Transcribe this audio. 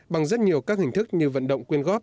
bằng rất nhiều các hình thức như vận động quyên góp